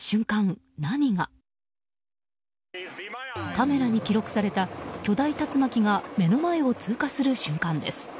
カメラに記録された巨大竜巻が目の前を通過する瞬間です。